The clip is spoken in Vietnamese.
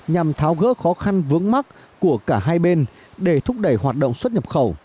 nhằm tháo gỡ khó khăn vướng mắt của cả hai bên để thúc đẩy hoạt động xuất nhập khẩu